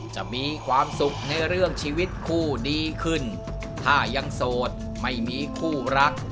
จะมีความสุขในเรื่องชีวิตคู่ดีขึ้นถ้ายังโสดไม่มีคู่รัก